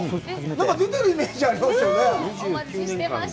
何か出てるイメージがありますね。